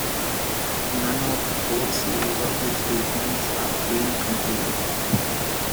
None of the fourth series of Restatements have been completed.